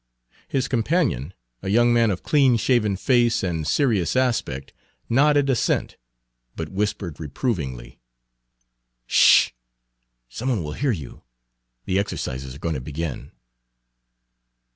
His companion, a young man of clean shaven face and serious aspect, nodded assent, but whispered reprovingly, " 'Sh! some one will hear you. The exercises are going to begin."